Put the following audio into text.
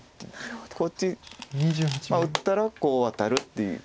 こっち打ったらこうワタるっていう。